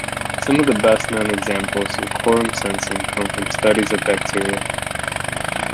Some of the best-known examples of quorum sensing come from studies of bacteria.